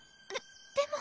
ででも。